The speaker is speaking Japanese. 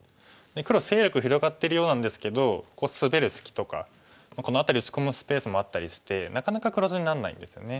黒勢力広がってるようなんですけどここスベる隙とかこの辺り打ち込むスペースもあったりしてなかなか黒地になんないんですよね。